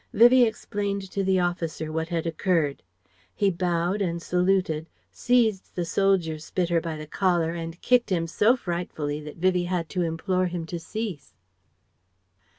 Vivie explained to the officer what had occurred. He bowed and saluted: seized the soldier spitter by the collar and kicked him so frightfully that Vivie had to implore him to cease.